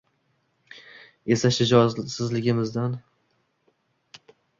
esa shijoatsizligimizning, o‘z ustimizdan ishlashni xohlamaganligimizning darakchisi bo‘lib qoladi...